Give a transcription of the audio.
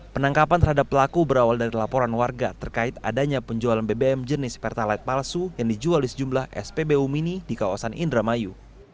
penangkapan terhadap pelaku berawal dari laporan warga terkait adanya penjualan bbm jenis pertalite palsu yang dijual di sejumlah spbu mini di kawasan indramayu